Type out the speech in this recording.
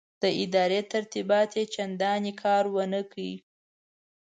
د ادارې ترتیبات یې چنداني کار ورنه کړ.